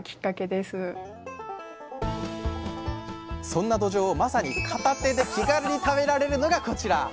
そんなどじょうをまさに片手で気軽に食べられるのがこちら。